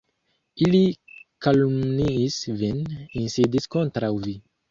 Ili kalumniis vin, insidis kontraŭ vi.